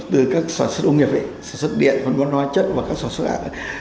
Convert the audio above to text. từ các sản xuất công nghiệp ấy sản xuất điện sản xuất văn hóa chất và các sản xuất ạ